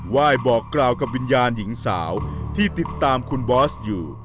บอกกล่าวกับวิญญาณหญิงสาวที่ติดตามคุณบอสอยู่